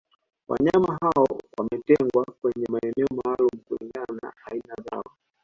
Wanyama hao wametengwa kwenye maeneo maalumu kulingana na aina zao